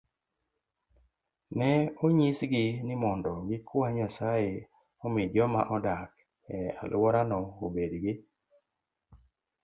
Ne onyisgi ni mondo gikwa Nyasaye omi joma odak e alworano obed gi